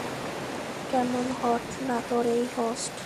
কেমন হট না তোর এই হোস্ট!